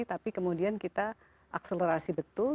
tapi kemudian kita akselerasi betul